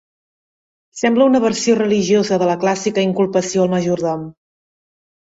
Sembla una versió religiosa de la clàssica inculpació al majordom.